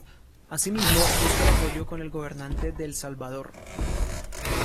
Asimismo busca apoyo con el gobernante de El Salvador.